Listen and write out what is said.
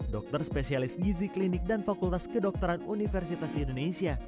dokter spesialis gizi klinik dan fakultas kedokteran universitas indonesia